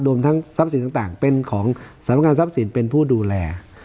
รวมทั้งทรัพย์สินต่างเป็นของสำนักงานทรัพย์สินเป็นผู้ดูแล